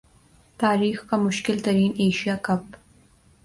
تاریخ کا مشکل ترین ایشیا کپ